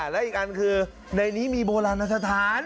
และอีกอันคือในนี้มีโบราณสถาน